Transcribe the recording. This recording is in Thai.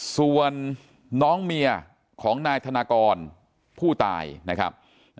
ส่วนน้องเมียของนายธนากรผู้ตายนะครับ